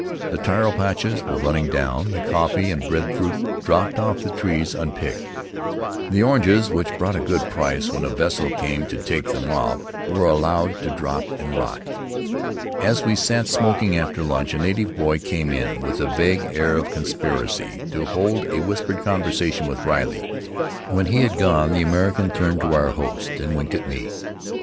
The taro patches were running down; the coffee and breadfruit dropped off the trees unpicked; the oranges, which brought a good price when a vessel came to take them off, were allowed to drop and rot. As we sat smoking after lunch, a native boy came in, with a vague air of conspiracy, to hold a whispered conversation with Riley. When he had gone the American winked at our host and turned to me.